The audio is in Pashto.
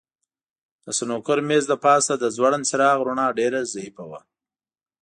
د سنوکر مېز د پاسه د ځوړند څراغ رڼا ډېره ضعیفه وه.